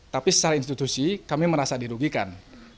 tapi secara institusi kami merasa dirugikan